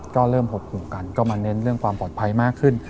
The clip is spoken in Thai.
ก็เริ่มหดหูกันก็มาเน้นเรื่องความปลอดภัยมากขึ้น